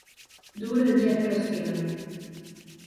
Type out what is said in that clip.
Dur el gep a l'esquena.